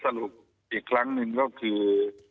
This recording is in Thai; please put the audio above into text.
สรุปอีกครั้งหนึ่งก็คือ